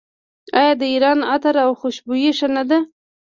آیا د ایران عطر او خوشبویي ښه نه ده؟